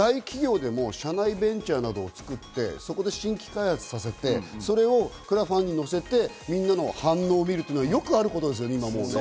大企業でも社内ベンチャーを作って新規開発させてクラファンに乗せて、みんなの反応をみるというのはよくあることですよ。